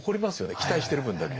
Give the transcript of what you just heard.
期待してる分だけ。